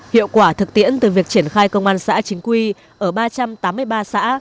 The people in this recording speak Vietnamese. hiệu quả thực tiễn từ việc triển khai công an xã chính quy ở ba trăm tám mươi ba xã